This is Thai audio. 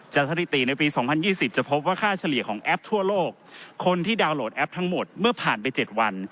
สถิติในปี๒๐๒๐จะพบว่าค่าเฉลี่ยของแอปทั่วโลกคนที่ดาวนโหลดแอปทั้งหมดเมื่อผ่านไป๗วัน